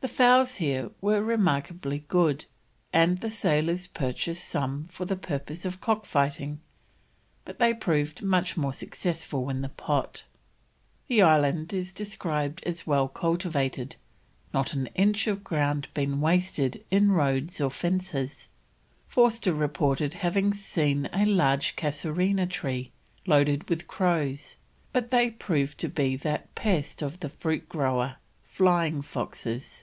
The fowls here were remarkably good, and the sailors purchased some for the purpose of cock fighting, but they proved much more successful in the pot. The island is described as well cultivated, not an inch of ground being wasted in roads or fences. Forster reported having seen a large casuarina tree loaded with crows, but they proved to be that pest of the fruit grower flying foxes.